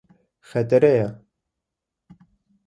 Xetere ye.